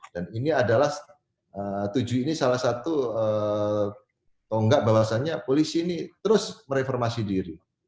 dan ini adalah tujuh ini salah satu tonggak bahwasannya polisi ini terus mereformasi diri